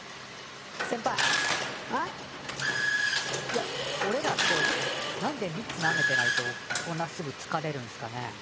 いやおれらってなんで蜜なめてないとこんなすぐつかれるんすかね？